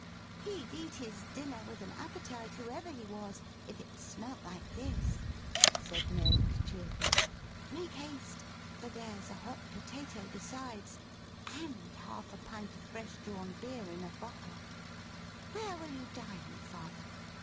'He'd eat his dinner with an appetite, whoever he was, if it smelt like this,' said Meg, cheerfully. 'Make haste, for there's a hot potato besides, and half a pint of fresh drawn beer in a bottle. Where will you dine, father?